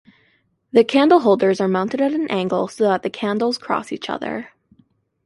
The candleholders are mounted at an angle so that the candles cross each other.